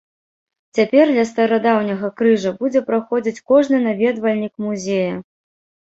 Цяпер ля старадаўняга крыжа будзе праходзіць кожны наведвальнік музея.